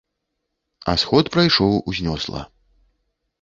А сход прайшоў узнёсла.